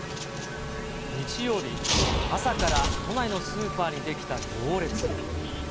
日曜日、朝から都内のスーパーに出来た行列。